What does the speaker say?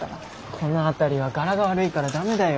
この辺りはガラが悪いから駄目だよ。